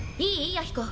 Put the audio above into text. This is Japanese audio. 弥彦。